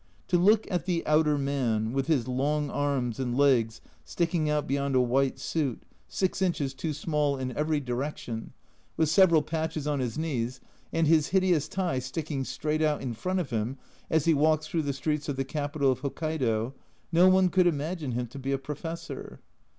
To look at the outer man, with his long arms and legs sticking out beyond a white suit, 6 inches too A Journal from Japan 19 small in every direction, with several patches on his knees, and his hideous tie sticking straight out in front of him as he walks through the streets of the capital of Hokkaido, no one could imagine him to be a Professor.